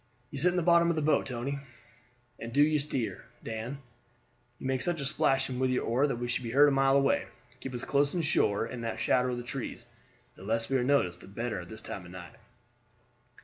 "You sit in the bottom of the boat, Tony, and do you steer, Dan. You make such a splashing with your oar that we should be heard a mile away. Keep us close in shore in the shadow of the trees; the less we are noticed the better at this time of night."